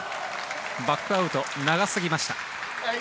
バックアウト長すぎました。